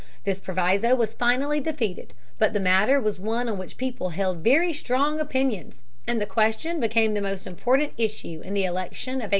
This proviso was finally defeated. But the matter was one on which people held very strong opinions, and the question became the most important issue in the election of 1848.